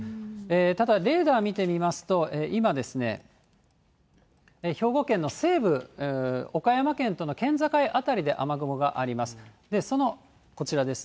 ただ、レーダー見てみますと、今、兵庫県の西部、岡山県との県境辺りで雨雲があります。